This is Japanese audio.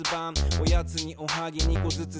おやつにおはぎ２こずつ食べた。